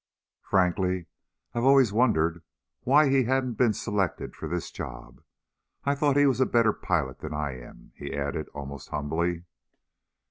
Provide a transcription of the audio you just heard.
"Frankly, I've always wondered why he hadn't been selected for this job. I thought he was a better pilot than I am," he added almost humbly.